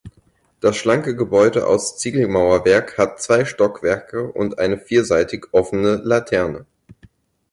Das schlanke Gebäude aus Ziegelmauerwerk hat zwei Stockwerke und eine vierseitig offene Laterne.